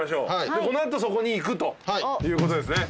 でこの後そこに行くということですね。